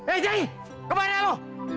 eh jengi kemana lu